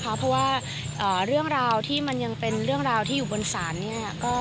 เพราะว่าเรื่องราวที่มันยังเป็นเรื่องราวที่อยู่บนศาลเนี่ย